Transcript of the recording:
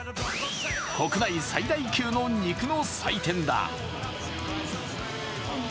国内最大級の肉の祭典だ。